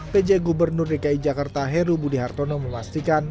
pj gubernur dki jakarta heru budi hartono memastikan